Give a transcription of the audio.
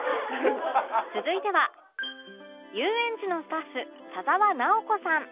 続いては遊園地のスタッフ田澤奈生子さん